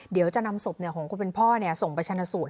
เดี๋ยวจะนำศพของคนเป็นพ่อส่งไปชนะสูตร